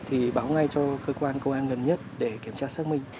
thì báo ngay cho cơ quan công an gần nhất để kiểm tra xác minh